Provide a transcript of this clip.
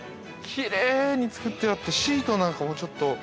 きれいに作ってあってシートなんかもちょっと。